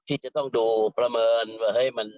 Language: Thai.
ที่จะต้องดูประเมินว่า